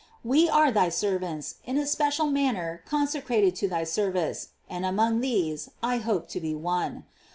We are thy servants, in a special manner consecrated to thy service, and among these I hope to be one.